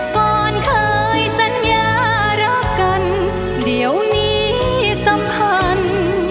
ก่อนเคยสัญญารักกันเดี๋ยวนี้สัมพันธ์